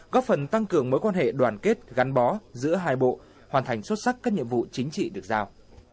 góp phần tăng cường mối quan hệ đoàn kết gắn bó giữa hai bộ hoàn thành xuất sắc các nhiệm vụ chính trị được giao